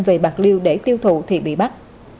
về bạc liêu để tiêu thụ thì bị bắt